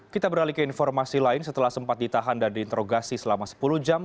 kita beralih ke informasi lain setelah sempat ditahan dan diinterogasi selama sepuluh jam